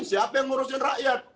siapa yang ngurusin rakyat